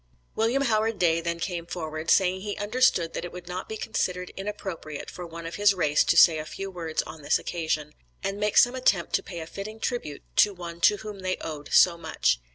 William Howard Day, then came forward, saying, he understood that it would not be considered inappropriate for one of his race to say a few words on this occasion, and make some attempt to pay a fitting tribute to one to whom they owed so much.